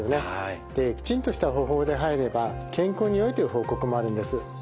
きちんとした方法で入れば健康によいという報告もあるんです。